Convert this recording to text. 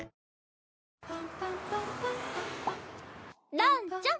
ランちゃん。